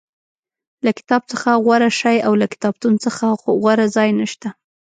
له کتاب څخه غوره شی او له کتابتون څخه غوره ځای نشته.